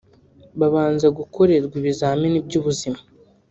Babanza gukorerwa ibizamini by’ubuzima